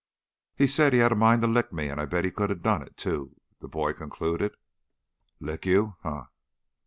"He said he'd a mind to lick me, an' I bet he could 'a' done it, too," the boy concluded. "Lick you? Hunh!"